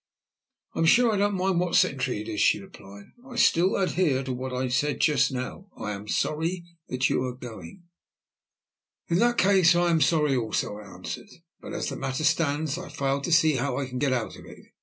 "I am sure I don't mind what century it is," she replied. "Still I adhere to what I said just now. I am sorry you are going." "In that case I am sorry also," I answered, "but as the matter stands I fail to see how I can get out of it.